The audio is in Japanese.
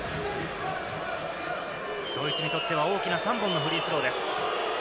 ドイツにとっては大きな３本のフリースローです。